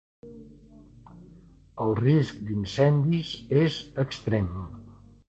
El risc d’incendis és extrem.